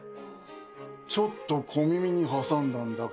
ちょっと小耳に挟んだんだが。